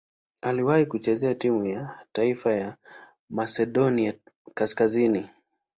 Aliwahi kucheza timu ya taifa ya Masedonia Kaskazini.